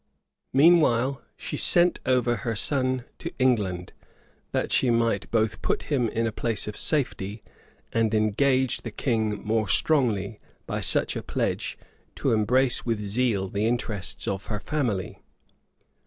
Meanwhile she sent over her son to England, that she might both put him in a place of safety, and engage the king more strongly, by such a pledge, to embrace with zeal the interests of her family.